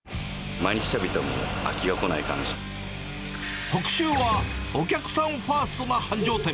毎日食べても飽きがこない感特集は、お客さんファーストな繁盛店。